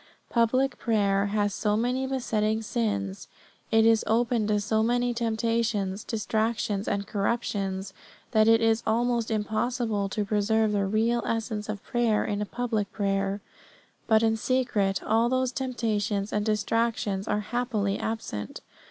Public prayer has so many besetting sins, it is open to so many temptations, distractions, and corruptions, that it is almost impossible to preserve the real essence of prayer in public prayer. But in secret all those temptations and distractions are happily absent.